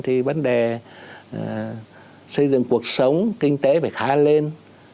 thì vấn đề xây dựng cuộc sống kinh tế phải khá lên